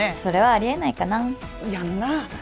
それはありえないかなやんな？